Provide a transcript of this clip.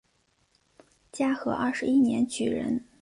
嘉庆二十一年举人。